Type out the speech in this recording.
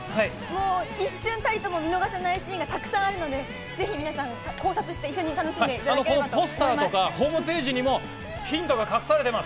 一瞬たりとも見逃せないシーンがたくさんあるので、ぜひ皆さん、考察して一緒に楽しんでいただきたいと思います。